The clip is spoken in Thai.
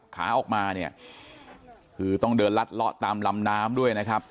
ขาออกมาเนี่ยคือต้องเดินลัดเลาะตามลำน้ำด้วยนะครับ